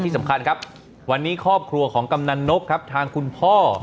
สำคัญครับวันนี้ครอบครัวของกำนันนกครับทางคุณพ่อ